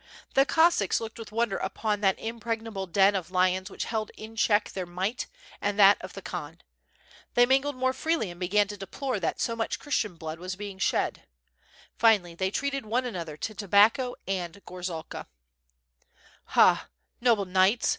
The Cossacks looked with wonder upon that impregnable den of lions which held in check their might and that of the Khan. They mingled more freely and began to deplore that po much Christian blood was being shed. Finally, they treated one another to tobacco and gorzalka. 736 WITB FIRE AND SWORD, "Hah! noble knights!"